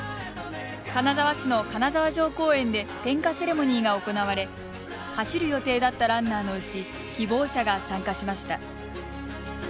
金沢市の金沢城公園で点火セレモニーが行われ走る予定だったランナーのうち希望者が参加しました。